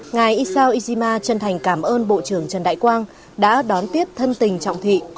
ngài isao izima chân thành cảm ơn bộ trưởng trần đại quang đã đón tiếp thân tình trọng thị